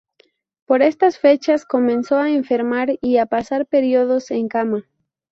Por estas fechas comenzó a enfermar y a pasar períodos en cama.